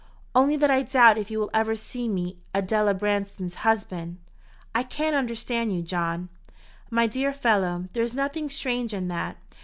"Only that I doubt if you will ever see me Adela Branston's husband." "I can't understand you, John." "My dear fellow, there is nothing strange in that.